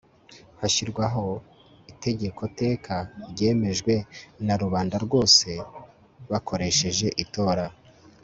hashyirwaho itegekoteka ryemejwe na rubanda rwose bakoresheje itora